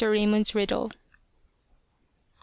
RAYMOND'S RIDDLE MR.